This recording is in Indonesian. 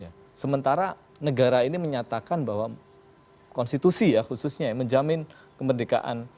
ya sementara negara ini menyatakan bahwa konstitusi ya khususnya yang menjamin kemerdekaan